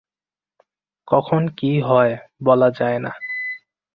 কখন কী হয়, বলা যায় না।